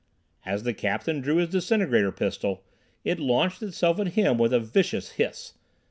As the captain drew his disintegrator pistol, it launched itself at him with a vicious hiss.